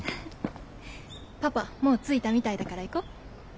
パパもう着いたみたいだから行こ。